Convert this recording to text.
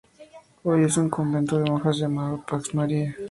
Hoy es un convento de monjas llamado "Pax Mariae".